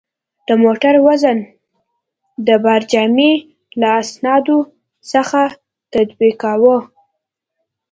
د موټر وزن د بارجامې له اسنادو سره تطبیقاوه.